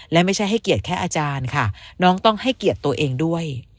และไม่ใช่ให้เกียรติแค่อาจารย์ค่ะน้องต้องให้เกียรติตัวเองด้วย